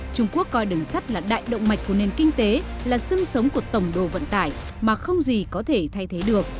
trung quốc coi đường sắt là đại động mạch của nền kinh tế là sưng sống của tổng đồ vận tải mà không gì có thể thay thế được